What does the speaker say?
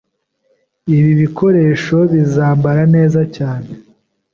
Ibi bikoresho bizambara neza cyane.